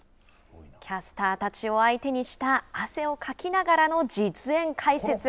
キャスターたちを相手にした汗をかきながらの実演解説。